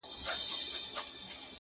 چي اسمان پر تندي څه درته لیکلي٫